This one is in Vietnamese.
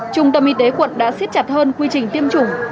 trung tâm y tế quận đã xiết chặt hơn quy trình tiêm chủng